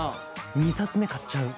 ２冊目買っちゃう。